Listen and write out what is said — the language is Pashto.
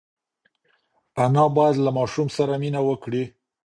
انا باید له ماشوم سره مینه وکړي.